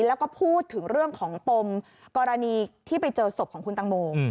แล้วก็พูดถึงเรื่องของปมกรณีที่ไปเจอศพของคุณตังโม